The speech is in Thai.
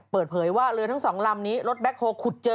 เปิดเผยว่าเรือทั้งสองลำนี้รถแบ็คโฮลขุดเจอ